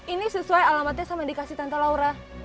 ini sesuai alamatnya sama dikasih tante laura